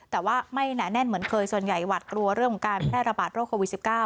แต่ว่าไม่หนาแน่นเหมือนเคยส่วนใหญ่หวัดกลัวเรื่องของการแพร่ระบาดโรคโควิด๑๙